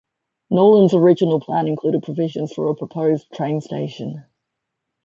Nolen's original plan included provisions for a proposed train station.